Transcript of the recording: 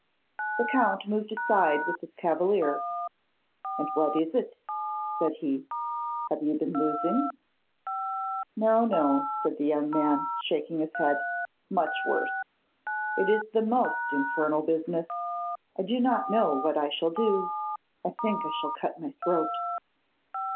'The Count moved aside with this cavalier. 'And what is it?' said he. 'Have you been losing?' 'No, no,' said the young man, shaking his head. 'Much worse. It is the most infernal business; I do not know what I shall do. I think I shall cut my throat.